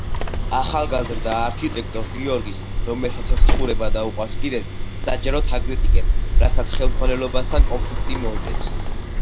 ახალგაზრდა არქიტექტორს გიორგის, რომელსაც ემსახურება და უყვარს კიდეც, საჯაროდ აკრიტიკებს, რასაც ხელმძღვანელობასთან კონფლიქტი მოსდევს.